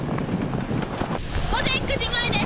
午前９時前です。